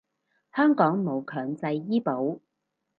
香港冇強制醫保